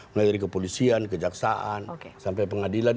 mulai dari kepolisian kejaksaan sampai pengadilan